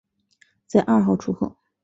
在二号出口